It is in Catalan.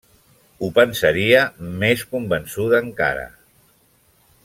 Ho pensaria més convençuda encara.